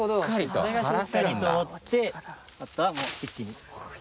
しっかりと持ってあとはもう一気に。